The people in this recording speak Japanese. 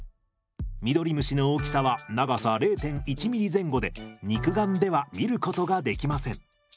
ミドリムシの大きさは長さ０．１ｍｍ前後で肉眼では見ることができません。